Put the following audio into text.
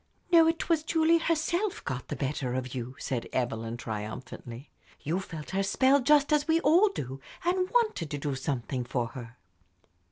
"No, it was Julie herself got the better of you," said Evelyn, triumphantly. "You felt her spell, just as we all do, and wanted to do something for her."